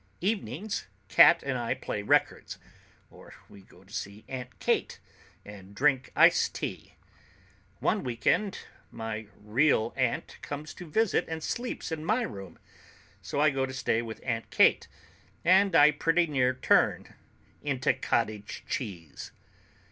Evenings Cat and I play records, or we go to see Aunt Kate and drink iced tea. One weekend my real aunt comes to visit and sleeps in my room, so I go to stay with Aunt Kate, and I pretty near turn into cottage cheese.